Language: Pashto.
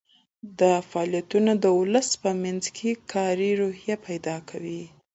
دا فعالیتونه د ولس په منځ کې کاري روحیه پیدا کوي.